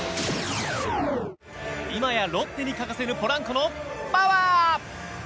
今やロッテに欠かせぬポランコのパワー！